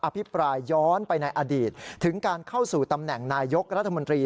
พิปรายย้อนไปในอดีตถึงการเข้าสู่ตำแหน่งนายยกรัฐมนตรี